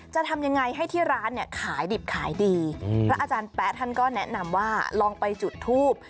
จะทำยังไงให้ที่ร้านเนี่ยขายดิบขายดีพระอาจารย์แป๊ะท่านก็แนะนำว่าลองไปจุดทูบ